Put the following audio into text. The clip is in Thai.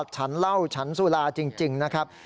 ฉันเหล้าฉันสุราจริงนะครับ